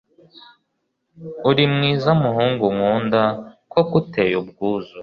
uri mwiza, muhungu nkunda, koko uteye ubwuzu